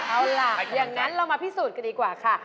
เอาล่ะอย่างนั้นเรามาพิสูจน์กันดีกว่าค่ะ